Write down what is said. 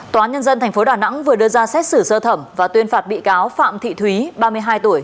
tòa nhân dân tp đà nẵng vừa đưa ra xét xử sơ thẩm và tuyên phạt bị cáo phạm thị thúy ba mươi hai tuổi